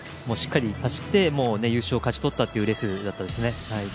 しっかり走って優勝を勝ち取ったというレースだったですね。